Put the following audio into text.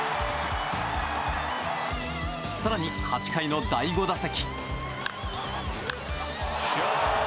更に８回の第５打席。